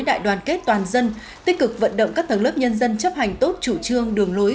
đại đoàn kết toàn dân tích cực vận động các tầng lớp nhân dân chấp hành tốt chủ trương đường lối